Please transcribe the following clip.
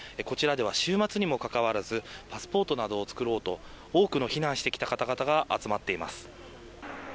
こちらでは週末にもかかわらずパスポートなどを作ろうと多くの避難してきた方々が集まっています。